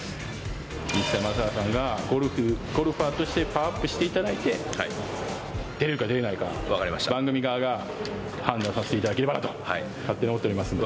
いつか松坂さんがゴルフゴルファーとしてパワーアップしていただいて出れるか出れないか番組側が判断させていただければなと勝手に思っておりますので。